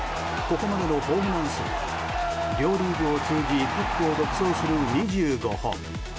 ここまでのホームラン数は両リーグを通じトップを独走する２５本。